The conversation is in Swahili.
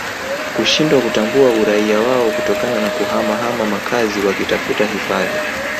kushindwa kutambua uraia wao kutokana na kuhama hama makazi wakitafuta hifadhi